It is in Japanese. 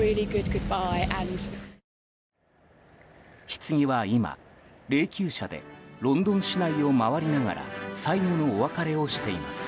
ひつぎは今、霊柩車でロンドン市内を回りながら最後のお別れをしています。